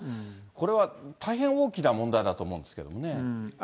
これは大変大きな問題だと思うんですけれどもね。